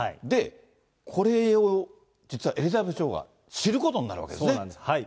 で、これを実はエリザベス女王が知ることになるわけですよね。